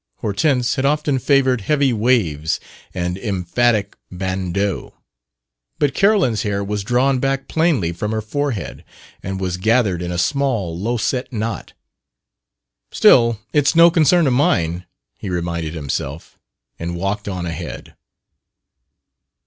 Hortense had often favored heavy waves and emphatic bandeaux. But Carolyn's hair was drawn back plainly from her forehead, and was gathered in a small, low set knot. "Still, it's no concern of mine," he reminded himself, and walked on ahead.